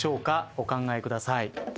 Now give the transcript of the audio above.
お考えください。